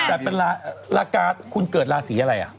แต่เป็นลากาคุณเกิดลาสีอะไรอ่ะ